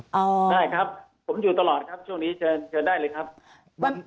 ได้ครับผมอยู่ตลอดครับช่วงนี้เชิญเชิญได้เลยครับ